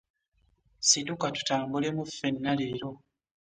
Situka tutambulemu ffenna leero.